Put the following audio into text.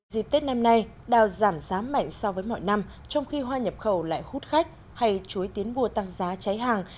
dịp tết năm nay đào giảm giá mạnh so với mọi năm trong khi hoa nhập khẩu lại hút khách hay chuối tiến vua tăng giá cháy hàng